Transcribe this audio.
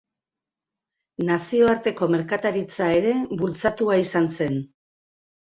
Nazioarteko merkataritza ere bultzatua izan zen.